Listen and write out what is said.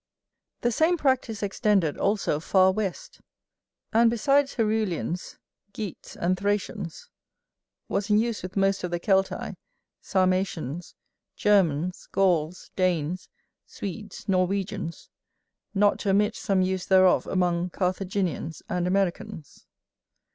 The same practice extended also far west; and besides Herulians, Getes, and Thracians, was in use with most of the Celtæ, Sarmatians, Germans, Gauls, Danes, Swedes, Norwegians; not to omit some use thereof among Carthaginians and Americans.